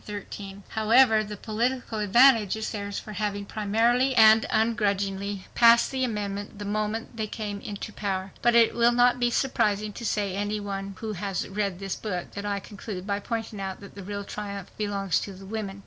However, the political advantage is theirs for having promptly and ungrudgingly passed the amendment the moment they came into power. But it will not be surprising to any one who has read this book that I conclude by pointing out that the real triumph belongs to the women.